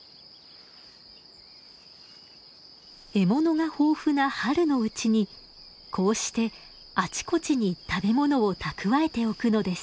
獲物が豊富な春のうちにこうしてあちこちに食べ物を蓄えておくのです。